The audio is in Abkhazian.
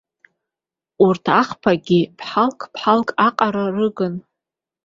Урҭ ахԥагь ԥҳалк-ԥҳалк аҟара рыгын.